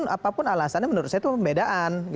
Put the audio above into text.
apapun alasannya menurut saya itu pembedaan